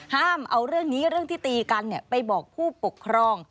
ห้ามเอาเรื่องนี้เรื่องที่ตีกันไปบอกผู้ปกครอง